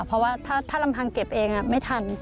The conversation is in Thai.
เพราะว่าถ้าลำพังเก็บเองไม่ทัน